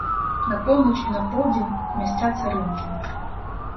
На поўнач і на поўдзень месцяцца рынкі.